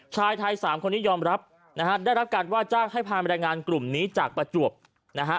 ชายไทยสามคนนี้ยอมรับนะฮะได้รับการว่าจ้างให้พามาแรงงานกลุ่มนี้จากประจวบนะฮะ